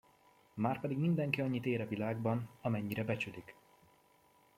Márpedig mindenki annyit ér a világban, amennyire becsülik.